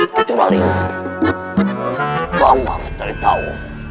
kamu harus tahu